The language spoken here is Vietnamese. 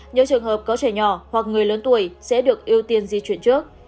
những trường hợp có trẻ nhỏ hoặc người lớn tuổi sẽ được ưu tiên di chuyển trước